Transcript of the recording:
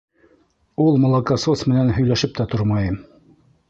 Ул молокосос менән һөйләшеп тә тормайым.